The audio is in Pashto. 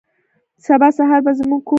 سبا سهار به زموږ کور ته ځو.